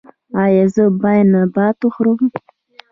ایا زه باید نبات وخورم؟